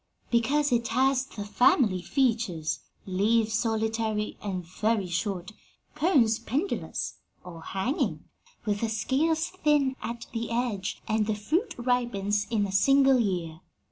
"Because it has the family features leaves solitary and very short; cones pendulous, or hanging, with the scales thin at the edge; and the fruit ripens in a single year.